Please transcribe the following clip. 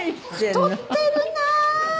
太ってるなあ！